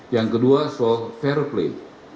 yang kedua soal fair play